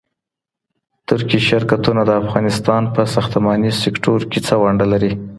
ترکي شرکتونه د افغانستان په ساختماني سکتور کي څه ونډه لري؟